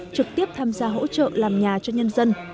trực tiếp tham gia hỗ trợ làm nhà cho nhân dân